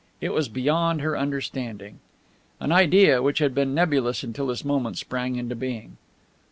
It was beyond her understanding. An idea, which had been nebulous until this moment, sprang into being.